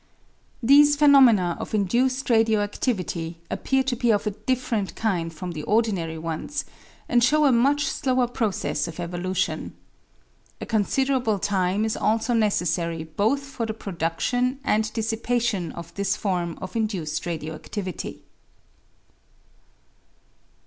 These phenomena of induced radio adivity appear to be of a different kind from the ordinary ones, and show a much slower process of evolution. A considerable time is also necessary both for the pro dudion and dissipation of this form of induced radio adivity.